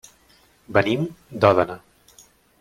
Venim d'Òdena.